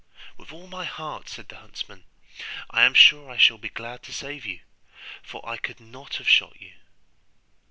'With all my heart,' said the huntsman; 'I am sure I shall be glad to save you, for I could not have shot you.